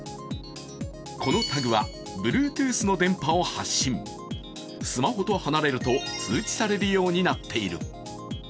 このタグはＢｌｕｅｔｏｏｔｈの電波を発信スマホと離れると、通知されるようになっている。